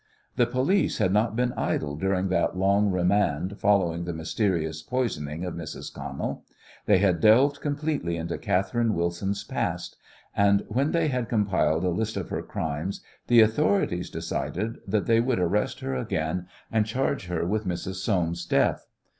The police had not been idle during that long remand following the mysterious poisoning of Mrs. Connell. They had delved completely into Catherine Wilson's past, and when they had compiled a list of her crimes the authorities decided that they would arrest her again and charge her with Mrs. Soames's death.